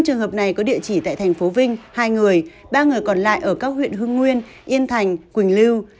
bốn trường hợp này có địa chỉ tại thành phố vinh hai người ba người còn lại ở các huyện hưng nguyên yên thành quỳnh lưu